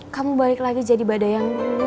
kamu balik lagi jadi badai yang dulu